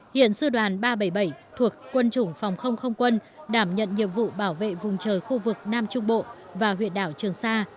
hiện sư đoàn ba trăm bảy mươi bảy thuộc quân chủng phòng không không quân đảm nhận nhiệm vụ bảo vệ vùng trời khu vực nam trung bộ và huyện đảo trường sa